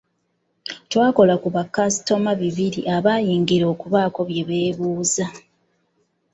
Twakola ku bakasitoma bibiri abayingira okubaako bye beebuuza.